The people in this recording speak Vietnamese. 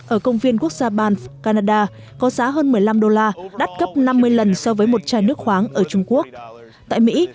ở công viên quốc gia banff canada có giá hơn một mươi năm đô la đắt gấp năm mươi lần so với một chai nước khoáng ở trung quốc